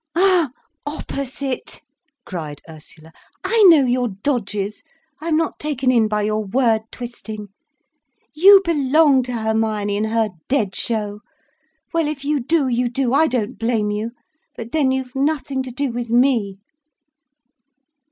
"Ah, opposite!" cried Ursula. "I know your dodges. I am not taken in by your word twisting. You belong to Hermione and her dead show. Well, if you do, you do. I don't blame you. But then you've nothing to do with me.